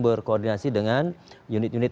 berkoordinasi dengan unit unit